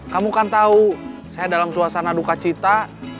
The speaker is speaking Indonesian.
kamu kan tahu saya dalam suasana duka cita